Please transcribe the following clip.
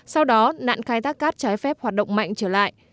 sau đó nạn khai thác cát trái phép hoạt động mạnh trở lại